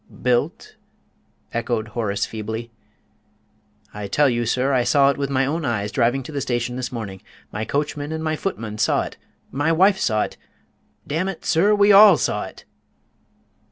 "Built!" echoed Horace feebly. "I tell you, sir, I saw it with my own eyes driving to the station this morning; my coachman and footman saw it; my wife saw it damn it, sir, we all saw it!"